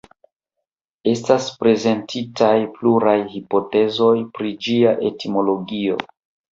Estas prezentitaj pluraj hipotezoj pri ĝia etimologio.